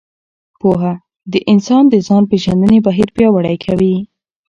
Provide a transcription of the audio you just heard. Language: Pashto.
پوهه د انسان د ځان پېژندنې بهیر پیاوړی کوي.